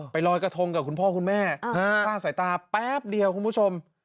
ลอยกระทงกับคุณพ่อคุณแม่พลาดสายตาแป๊บเดียวคุณผู้ชม